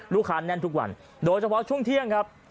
ลูกค้านแน่นทุกวันโดยเฉพาะช่วงเที่ยง